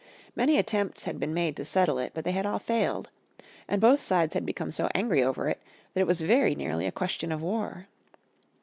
Many attempts had been made to settle it, but hey had all failed. And both sides had become so angry over it that it was very nearly a question of war.